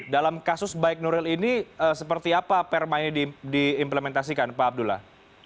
dalam kasus baik nuril ini seperti apa perma ini diimplementasikan pak abdullah